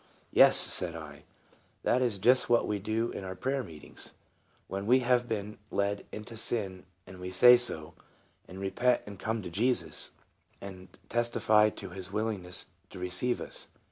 "Yes," said I, "that is just what we do in our prayer meetings. When we have been led into sin we say so, and repent and come to Jesus, and testify of his willingness to receive us.'